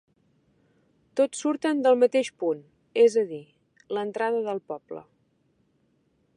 Tots surten del mateix punt, és a dir, l'entrada del poble.